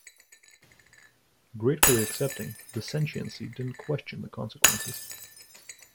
Gratefully accepting, the sentiency didn't question the consequences.